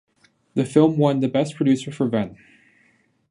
The film won the Best Producer for Ven.